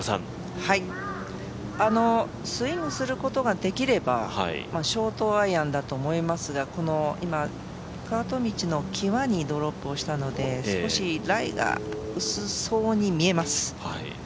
スイングすることができれば、ショートアイアンだと思いますが、カート道のこの際にドロップをしたので少しライが薄そうに見えます。